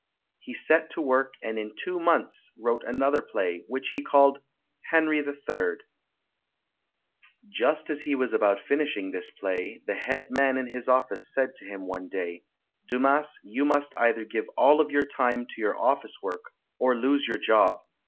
He set to work, and in two months, wrote an other play, which he called "Henri III". Just as ALEXANDRE DUMAS [ 243 he was about finishing this play, the head man in his office said to him one day, "Dumas, you must either give all of your time to your office work or lose your job.